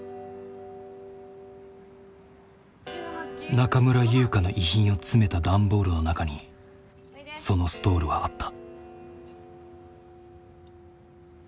中村優香の遺品を詰めた段ボールの中にそのストールはあった。